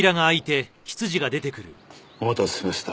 お待たせしました。